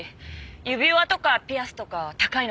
指輪とかピアスとか高いのばっか。